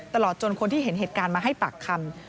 ตลอดจนคนที่เห็นเหตุการณ์มาให้ปากคำ